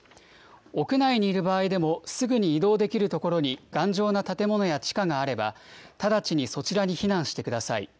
屋内にいる場合でも、すぐに移動できる所に頑丈な建物や地下があれば、直ちにそちらに避難してください。